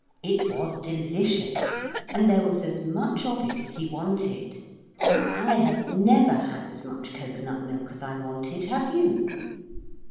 It was delicious, and there was as much of it as he wanted. I have never had as much cocoa nut milk as I wanted. Have you?